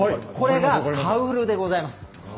これが「カウル」でございます。